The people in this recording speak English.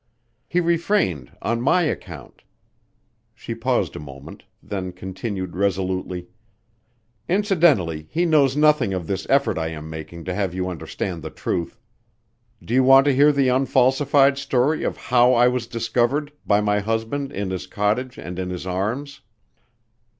He refrained on my account." She paused a moment, then continued resolutely, "Incidentally he knows nothing of this effort I am making to have you understand the truth. Do you want to hear the unfalsified story of how I was discovered by my husband in his cottage and in his arms?"